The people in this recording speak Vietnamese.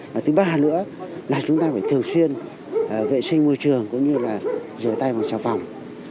và thứ ba nữa là chúng ta phải thường xuyên vệ sinh môi trường cũng như là rửa tay bằng xà phòng